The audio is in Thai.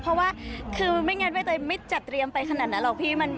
เพราะว่าคือไม่งั้นใบเตยไม่จัดเตรียมไปขนาดนั้นหรอกพี่